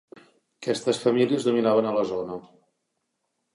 Aquestes famílies dominaven a la zona.